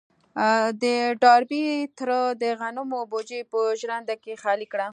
د ډاربي تره د غنمو بوجۍ په ژرنده کې خالي کړه.